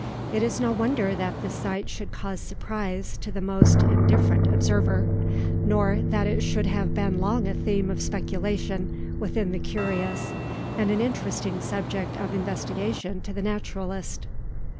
It is no wonder that the sight should cause surprise to the most indifferent observer, nor that it should have been long a theme of speculation with the curious, and an interesting subject of investigation to the naturalist.